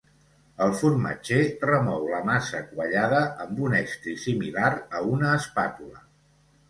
El formatger remou la massa quallada amb un estri similar a una espàtula.